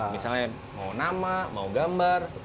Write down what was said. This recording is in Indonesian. misalnya mau nama mau gambar